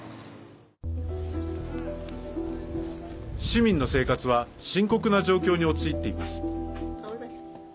市民の生活は深刻な状況に陥っています。